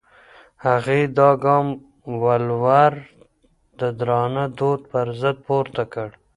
هغې دا ګام د ولور د درانه دود پر ضد پورته کړ.